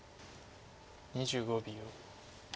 ２５秒。